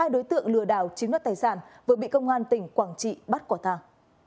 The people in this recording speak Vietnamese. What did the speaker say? hai đối tượng lừa đảo chiếm đất tài sản vừa bị công an tỉnh quảng trị bắt quả tàng